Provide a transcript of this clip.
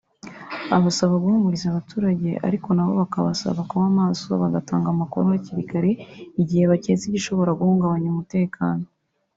abasaba guhumuriza abaturage ariko nabo bakabasaba kuba maso batanga amakuru hakiri kare igihe baketse igishobora guhungabanya umutekano